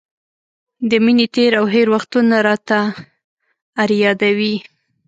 د مینې تېر او هېر وختونه راته را یادوي.